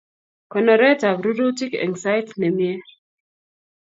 Konoret ab rurutik eng sait nemie